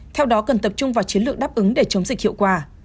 theo đó cần tập trung vào chiến lược đáp ứng để chống dịch hiệu quả